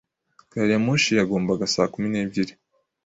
Gari ya moshi yagombaga saa kumi n'ebyiri.